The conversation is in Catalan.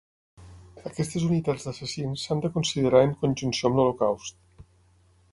Aquestes unitats d'assassins s'han de considerar en conjunció amb l'Holocaust.